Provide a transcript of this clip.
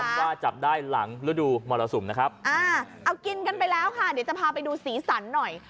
เป็นว่าจับได้หลังฤดูมรสุมนะครับอ่าเอากินกันไปแล้วค่ะเดี๋ยวจะพาไปดูสีสันหน่อย